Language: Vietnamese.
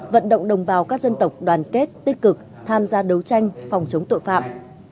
vận động đồng bào các dân tộc đoàn kết tích cực tham gia đấu tranh phòng chống tội phạm